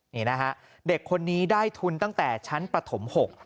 นี่นะฮะเด็กคนนี้ได้ทุนตั้งแต่ชั้นประถม๖